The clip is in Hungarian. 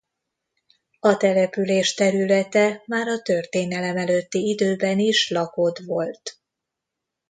A település területe már a történelem előtti időben is lakott volt.